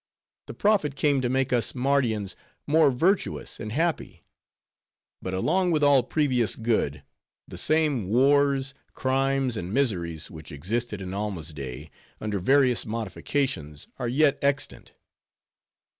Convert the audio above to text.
The prophet came to make us Mardians more virtuous and happy; but along with all previous good, the same wars, crimes, and miseries, which existed in Alma's day, under various modifications are yet extant.